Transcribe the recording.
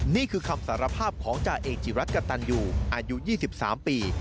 นี่คือคำสารภาพของจ่าเอกจิรัตนกะตันอยู่อายุ๒๓ปี